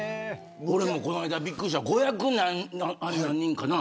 俺も、この間びっくりしたこの間、５００何人かな。